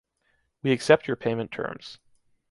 We accept your payment terms.